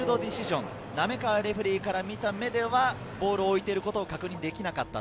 オンフィールドディシジョン、滑川レフェリーから見た目ではボールを置いていることを確認できなかった。